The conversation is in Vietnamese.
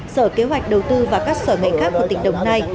sở kế hoạch đầu tư và các sở ngành khác của tỉnh đồng nai